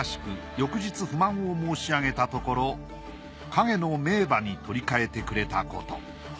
翌日不満を申し上げたところ鹿毛の名馬に取り替えてくれたこと。